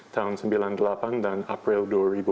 tahun seribu sembilan ratus sembilan puluh delapan dan april dua ribu